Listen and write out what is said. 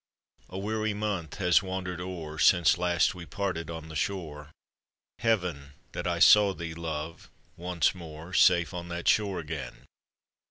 ] A. weary month has wandered o'er Since last we parted on the shore; Heaven ! that I saw thee, Love, once more, Safe on that shore again